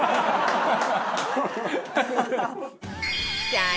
さあ